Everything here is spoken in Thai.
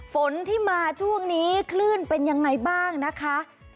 ฝนที่มาช่วงนี้คลื่นเป็นยังไงบ้างนะคะ